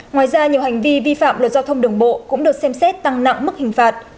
ngoài ra nhiều hành vi vi phạm luật giao thông đường bộ cũng được xem xét tăng nặng mức hình phạt